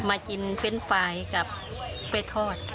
มากินเฟรนด์ไฟล์กับกล้วยทอด